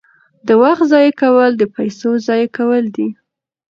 د وخت ضایع کول د پیسو ضایع کول دي.